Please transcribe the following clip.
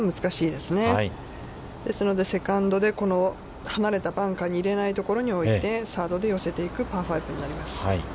ですので、セカンドでこのバンカーに入れないでおいて、サードで寄せていくパー５になります。